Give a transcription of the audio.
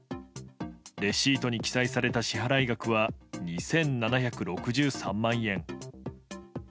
レシートに記載された支払い額は２７６３万円。